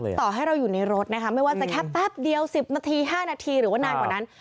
ต่อให้เราอยู่ในรถนะคะไม่ว่าจะแค่แป๊บเดียว๑๐นาที๕นาทีหรือว่านานกว่านั้น